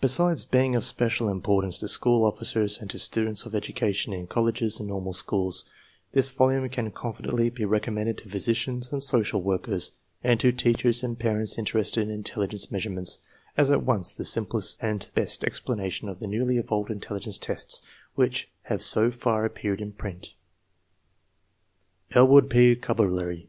Besides being of special importance to school officers and to students of education in colleges and normal schools, this volume can confidently be recommended to physicians and social workers, and to teachers and parents interested in intelligence measurements, as at once the simplest and the best explanation of the newly evolved intelligence tests, which has so far appeared in print. ELLWOOD P. CTTBBERLEY.